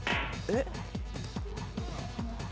えっ？